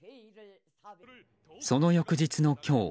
その翌日の今日